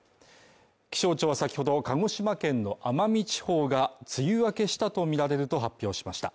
気象庁はさきほど鹿児島県の奄美地方が梅雨明けしたとみられると発表しました。